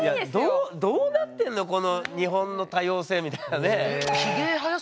どうなってんのこの日本の多様性みたいなね。